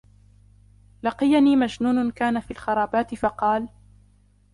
لَقِيَنِي مَجْنُونٌ كَانَ فِي الْخَرَابَاتِ فَقَالَ